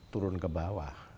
turun ke bawah